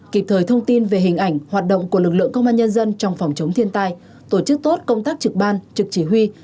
kịp thời thông tin về hình ảnh hoạt động của lực lượng công an nhân dân trong phòng chống thiên tai tổ chức tốt công tác trực ban trực chỉ huy